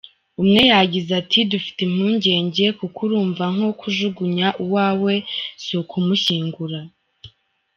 Umwe yagize ati “ Dufite impungenge kuko urumva nko kujugunya uwawe, si ukumushyingura.